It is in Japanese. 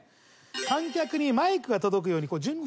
観客にマイクが届くように準備。